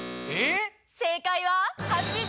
正解は。